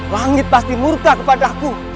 langit pasti murka kepadaku